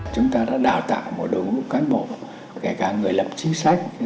chúng ta đã đào tạo một đối mục cán bộ kể cả người lập chính sách